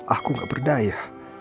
aku nggak berdaya